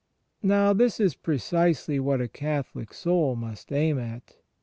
Now this is precisely what a Catholic soul must aim at.